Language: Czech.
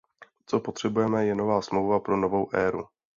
Co potřebujeme, je nová smlouva pro novou éru.